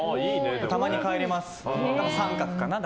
たまに帰ります。